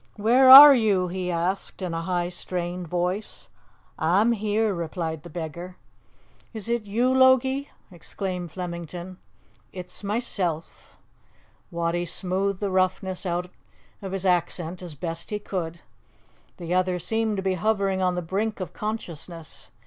"Where are you?" he asked in a high, strained voice. "A'm here," replied the beggar. "Is it you, Logie?" exclaimed Flemington. "It's mysel'." Wattie smoothed the roughness out of his accent as best he could. The other seemed to be hovering on the brink of consciousness.